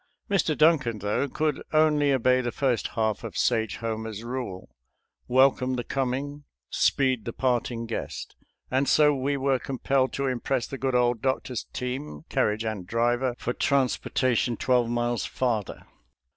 Mr. Duncan, though, could only obey the first half of Sage Homer's rule, "Welcome the coming, speed the parting guest," and so we were compelled to impress the good old doctor's team, carriage and driver, for transportation twelve miles farther.